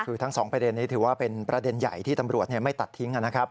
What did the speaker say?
คือทั้งสองประเด็นนี้ถือว่าเป็นประเด็นใหญ่ที่ตำรวจไม่ตัดทิ้งนะครับ